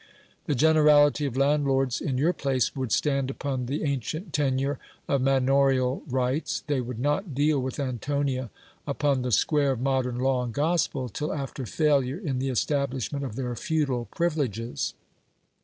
The generality of landlords, in your place, would stand upon the ancient tenure of manorial rights : they would not deal with Antonia upon the square of modern law and gospel, till after failure in the establishment of their feudal privileges.